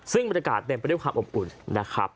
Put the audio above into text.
ซึ่งบรรยากาศเต็มไปด้วยความอบอุ่นนะครับ